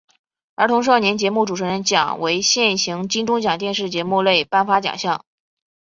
儿童少年节目主持人奖为现行金钟奖电视节目类颁发奖项。